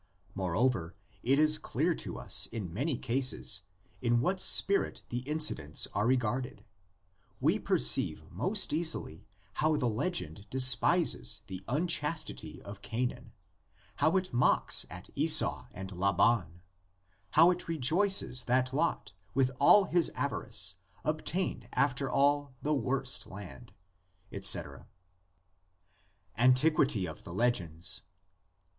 Moreover it is clear to us in many cases in what spirit the incidents are regarded: we perceive most easily how the legend despises the unchastity of Canaan, how it mocks at Esau and Laban, how it rejoices that Lot, with all his avarice, obtained after all the worse land, etc. ANTIQUITY OF THE LEGENDS.